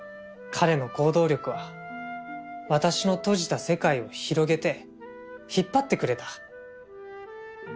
彼の行動力は私の閉じた世界を広げて引っ張ってくれた。